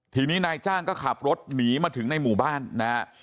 ทีนี้นายจ้างก็ขับรถหนีมาถึงในหมู่บ้านนะฮะ